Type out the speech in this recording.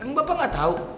yang bapak gak tahu